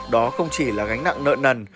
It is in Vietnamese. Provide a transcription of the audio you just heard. đó không chỉ là gánh nặng nợ nần